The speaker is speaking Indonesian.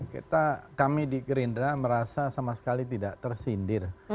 kita kami di gerindra merasa sama sekali tidak tersindir